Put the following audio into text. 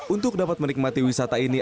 untuk dapat menikmati wisata ini